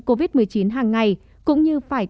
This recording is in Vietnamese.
covid một mươi chín hàng ngày cũng như phải